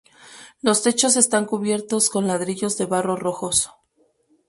Los techos están cubiertos con ladrillos de barro rojos.